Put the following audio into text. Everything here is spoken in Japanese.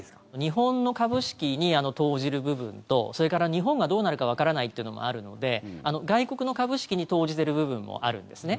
日本の株式に投じる部分とそれから日本がどうなるかわからないというのもあるので外国の株式に投じてる部分もあるんですね。